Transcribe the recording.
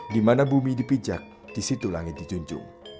dimana bumi dipijak disitu langit dijunjung